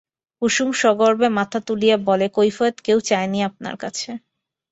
কুসুম সগর্বে মাথা তুলিয়া বলে, কৈফিয়ত কেউ চায়নি আপনার কাছে।